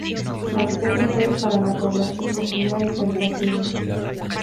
La duquesa fue para la población popular y caritativa.